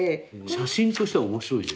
写真としては面白いね。